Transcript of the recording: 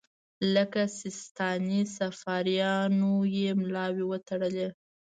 لکه سیستاني صفاریانو یې ملاوې وتړلې.